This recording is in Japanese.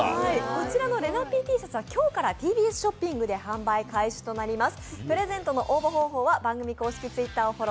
こちらのれなッピーＴシャツは今日からＴＢＳショップで販売となります。